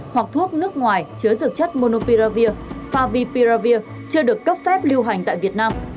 hoặc thuốc nước ngoài chứa dược chất monopiravir chưa được cấp phép lưu hành tại việt nam